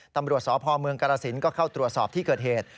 ตำรวจสพเมืองกรสินก็เข้าตรวจสอบที่เกิดเหตุ